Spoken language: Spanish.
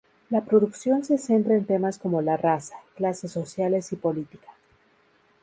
La producción se centra en temas como la raza, clases sociales y política.